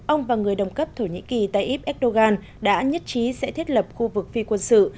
ông và người đồng cấp thổ nhĩ kỳ tayyip erdogan đã nhất trí sẽ thiết lập khu vực phi quân sự